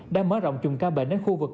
đã mở rộng chùm ca bệnh đến khu vực